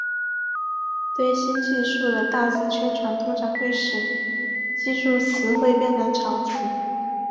对新技术的大肆宣传通常会使技术词汇变成潮词。